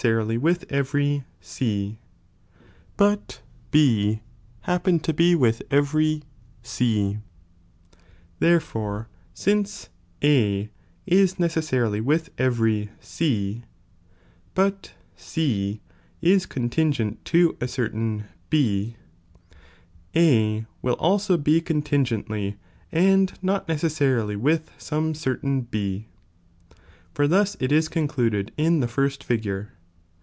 Each propo ^^^7 "^^^ evcry C, but B happen to be with every sition, affirma C ; therefore since A is necessarily with every C, *'^ but C is contingent to a certain B, A will also be contingently, and not necessarily, with some certain B ; for thus it is concluded in the first figure.